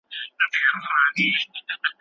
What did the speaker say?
هر علم یو نوی لیدلوری دی.